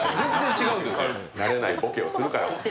慣れないぼけをするから。